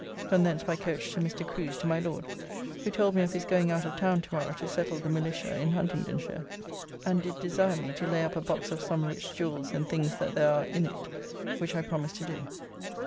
From thence by coach to Mr. Crew's to my Lord, who told me of his going out of town to morrow to settle the militia in Huntingdonshire, and did desire me to lay up a box of some rich jewels and things that there are in it, which I promised to do.